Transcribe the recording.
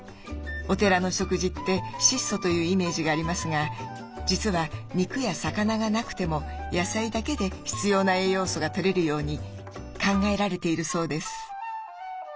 お寺の食事って質素というイメージがありますが実は肉や魚がなくても野菜だけで必要な栄養素がとれるように考えられているそうです。